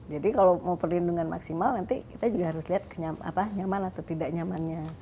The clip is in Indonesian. jadi kalau mau perlindungan maksimal nanti kita juga harus lihat nyaman atau tidak nyamannya